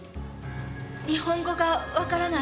日本語がわからない。